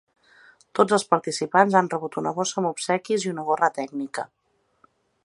Tots els participants han rebut una bossa amb obsequis i una gorra tècnica.